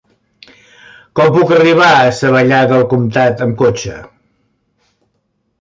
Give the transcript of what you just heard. Com puc arribar a Savallà del Comtat amb cotxe?